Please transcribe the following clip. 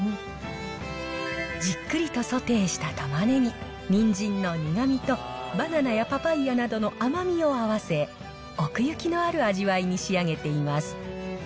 じっくりとソテーしたたまねぎ、ニンジンの苦みと、バナナやパパイヤなどの甘みを合わせ、奥行きのある味わいに仕上げています。